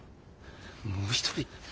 もう一人？